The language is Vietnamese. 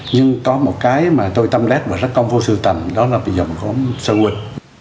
nhưng có một cái mà tôi tâm lét và rất công phu sưu tầm đó là dòng góm sơ quật